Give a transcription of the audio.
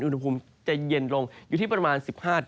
อุณหภูมิจะเย็นลงอยู่ที่ประมาณ๑๕